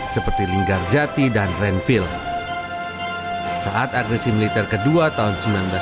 seperti linggarjati dan renville saat agresi militer kedua tahun seribu sembilan ratus empat puluh delapan